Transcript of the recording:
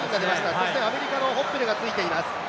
そしてアメリカのホッペルがついています。